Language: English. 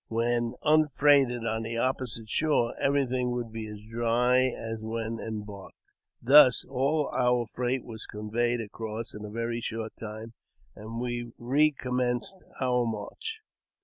When unfreighted on the opposite shore, everything would be as dry as when embarked. Thus all our freight was conveyed across in a very short time, and we recommenced our march.